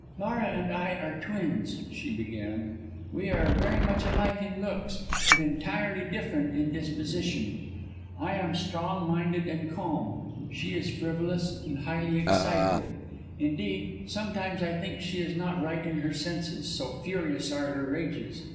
"Laura and I are twins," she began. "We are very much alike in looks, but entirely different in disposition. I am strong minded and calm; she is frivolous and highly excitable indeed, sometimes I think she is not in her right senses, so furious are her rages.